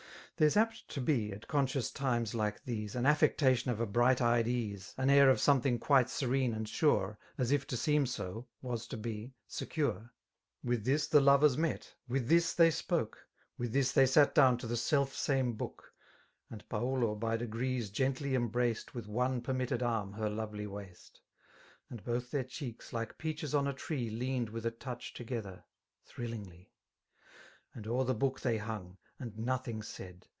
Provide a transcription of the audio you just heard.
There's apt to be^ at eq^Mdms limes Ulce tbcirA > An affectaiiaii of a brighVejed ed«e,. . i An air of someliiing quite serene and sure. As if tG seem so, was to be, secure : With this the lovers met> with this they spoke. With this they sat down to the sdf same bkK>k> . And Paulo, by degrees, gently embraced With one pertnitted arm her lorely Waist; And both their cheeks, like peaches on a tree^ Leaned with a touch together, thrillingly; And o'er the book they hung, and nothing said.